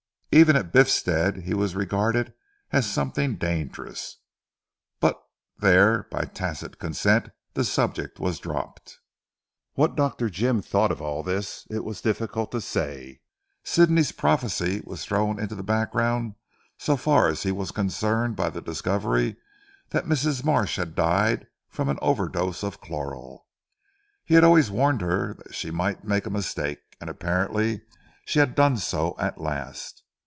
Even at Biffstead he was regarded as something dangerous. But there by tacit consent the subject was dropped. What Dr. Jim thought of all this, it was difficult to say. Sidney's prophecy was thrown into the background so far as he was concerned by the discovery that Mrs. Marsh had died from an overdose of chloral. He had always warned her that she might make a mistake, and apparently she had done so at last.